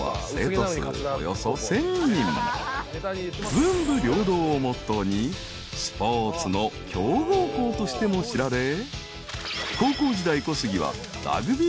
［文武両道をモットーにスポーツの強豪校としても知られ高校時代小杉は］